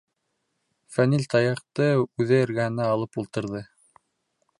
Фәнил таяҡты үҙе эргәһенә алып ултырҙы.